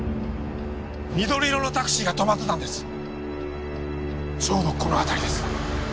緑色のタクシーが止まってたんですちょうどこの辺りです